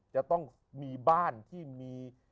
จะต้องมีบ้านที่มี